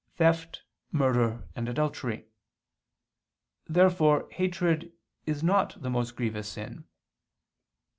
theft, murder and adultery. Therefore hatred is not the most grievous sin.